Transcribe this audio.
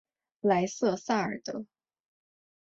莱瑟萨尔德。